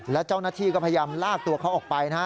แล้วเจ้าหน้าที่ก็พยายามลากตัวเขาออกไปนะฮะ